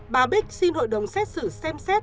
bà bích xin hội đồng xét xử xem xét